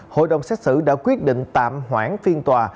hội đồng xét xử đã quyết định tạm hoãn phiên tòa